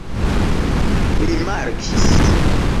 rimarkis